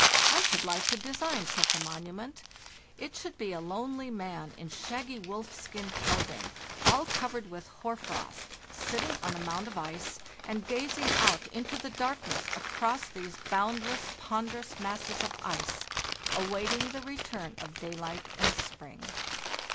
I should like to design such a monument. It should be a lonely man in shaggy wolfskin clothing, all covered with hoar frost, sitting on a mound of ice, and gazing out into the darkness across these boundless, ponderous masses of ice, awaiting the return of daylight and spring.